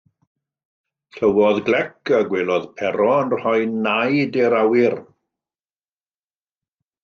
Clywodd glec, a gwelodd Pero yn rhoi naid i'r awyr.